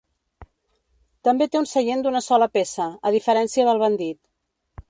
També té un seient d'una sola peça, a diferència del Bandit.